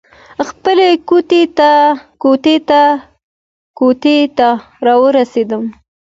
خپلې کوټې ته راورسېدم.